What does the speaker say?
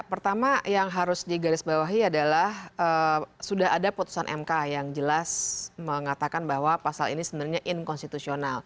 pertama yang harus digarisbawahi adalah sudah ada putusan mk yang jelas mengatakan bahwa pasal ini sebenarnya inkonstitusional